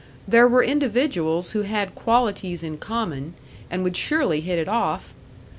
There were individuals who had qualities in common, and would surely hit it off!